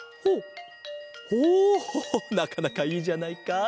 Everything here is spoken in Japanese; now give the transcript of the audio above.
なかなかいいじゃないか。